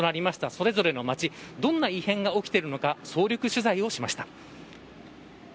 それぞれの街、どんな異変が起きてるの総力取材をしました。